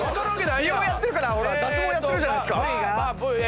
美容やってるから脱毛やってるじゃないですか。